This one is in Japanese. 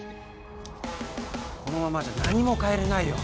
このままじゃ何も変えられないよ。